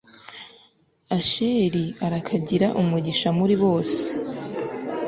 asheri arakagira umugisha muri bose